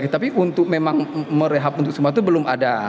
tapi untuk memang merehab untuk semua itu belum ada